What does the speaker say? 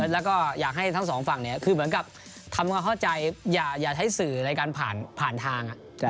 แล้วก็อยากให้ทั้งสองฝั่งคือเหมือนกับทำความเข้าใจอย่าใช้สื่อในการผ่านทาง